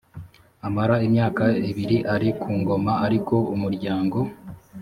amara imyaka ibiri ari ku ngoma ariko umuryango